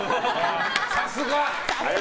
さすが！